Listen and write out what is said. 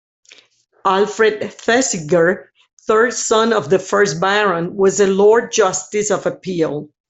Alfred Thesiger, third son of the first Baron, was a Lord Justice of Appeal.